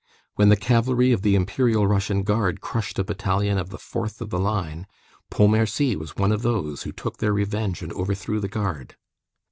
When the cavalry of the Imperial Russian Guard crushed a battalion of the 4th of the line, Pontmercy was one of those who took their revenge and overthrew the Guard.